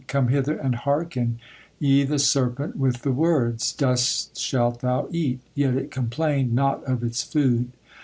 Come hither and hearken, ye the serpent with the words, 'Dust shalt thou eat,' yet it complained not of its food.